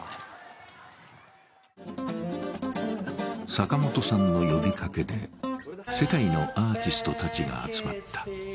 坂本さんの呼びかけで、世界のアーティストたちが集まった。